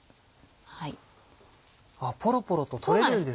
あっポロポロと取れるんですね。